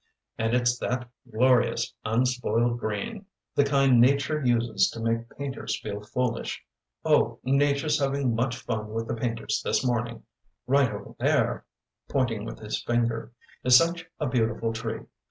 And it's that glorious, unspoiled green the kind nature uses to make painters feel foolish. Oh, nature's having much fun with the painters this morning. Right over there," pointing with his finger "is such a beautiful tree.